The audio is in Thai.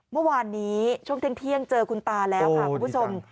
เมื่อวานนี้ช่วงเที่ยงเจอคุณตาแล้วค่ะคุณผู้ชม